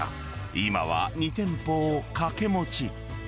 今は２店舗を掛け持ち。